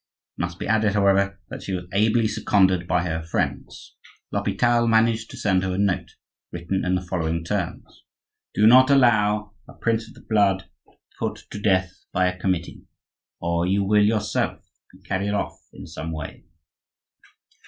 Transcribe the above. It must be added, however, that she was ably seconded by her friends. L'Hopital managed to send her a note, written in the following terms:— "Do not allow a prince of the blood to be put to death by a committee; or you will yourself be carried off in some way."